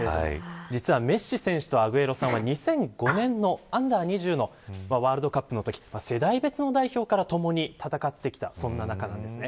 実はメッシ選手とアグエロさんは２００５年のＵ‐２０のワールドカップのとき世代別の代表からともに戦ってきたそんな仲なんですね。